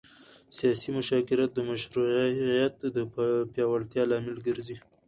سیاسي مشارکت د مشروعیت د پیاوړتیا لامل ګرځي